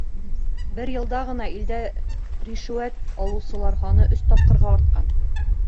Бер йылда ғына илдә ришүәт алыусылар һаны өс тапҡырға артҡан.